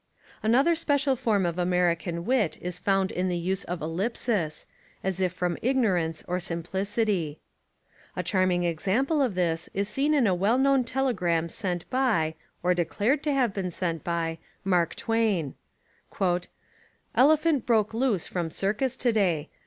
Another special form of American wit is found in the use of ellipsis, as if from ignorance or simplicity. A charming example of this is seen in a well known telegram sent by, or de clared to have been sent by, Mark Twain : "Ele phant broke loose from circus to day.